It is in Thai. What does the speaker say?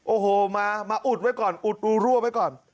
โอ้โหมาอุดไว้ก่อนอุดรูรั่วไว้ก่อน